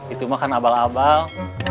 itu makan abal abal